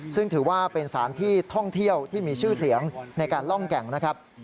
ซึ่งถือว่าเป็นสถานที่ท่องเที่ยวที่มีชื่อเสียงในการล่องแก่งนะครับ